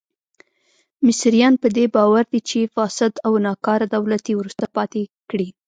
مصریان په دې باور دي چې فاسد او ناکاره دولت یې وروسته پاتې کړي.